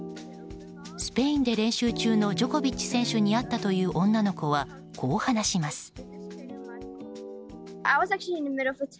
スペインで練習中のジョコビッチ選手に会ったという女の子はこう話します。